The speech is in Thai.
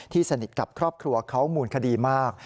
สนิทกับครอบครัวเขามูลคดีมาก